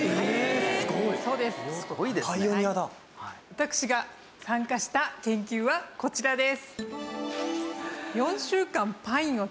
私が参加した研究はこちらです。